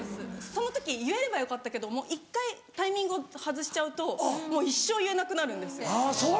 その時言えればよかったけど１回タイミングを外しちゃうともう一生言えなくなるんです。